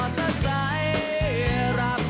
สวัสดีครับ